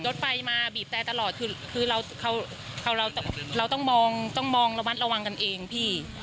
รถไฟมาบีบแต่ตลอดคือเราต้องมองต้องมองระมัดระวังกันเองพี่